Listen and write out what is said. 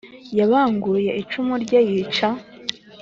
Yabanguye icumu rye yica